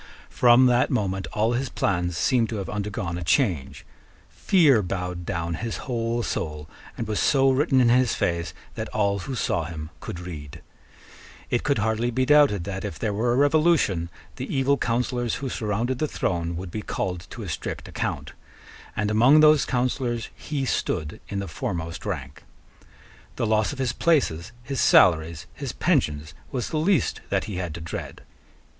From that moment all his plans seem to have undergone a change. Fear bowed down his whole soul, and was so written in his face that all who saw him could read. It could hardly be doubted that, if there were a revolution, the evil counsellors who surrounded the throne would be called to a strict account: and among those counsellors he stood in the foremost rank. The loss of his places, his salaries, his pensions, was the least that he had to dread.